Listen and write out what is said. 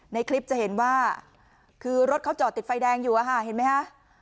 ในคลิปจะเห็นว่าคือรถเขาจอดติดไฟแดงอยู่อะค่ะเห็นไหมคะ